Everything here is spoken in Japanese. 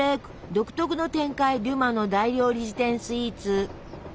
独特の展開デュマの「大料理事典」スイーツ。